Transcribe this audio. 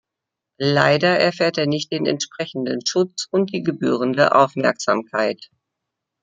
Leider erfährt er nicht den entsprechenden Schutz und die gebührende Aufmerksamkeit.